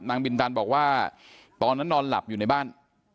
บินตันบอกว่าตอนนั้นนอนหลับอยู่ในบ้าน